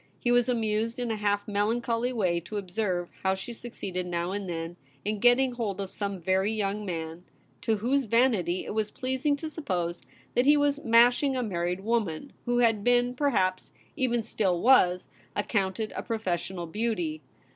He was amused in a half melancholy way to observe how she suc ceeded now and then in getting hold of some very young man, to whose vanity it was pleasing to suppose that he was ' mashing ' a married woman, who had been, perhaps even still was, accounted a professional beauty.